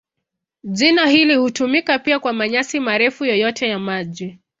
Jina hili hutumika pia kwa manyasi marefu yoyote ya maji.